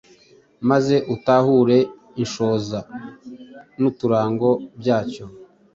maze utahure inshoza n’uturango byacyo.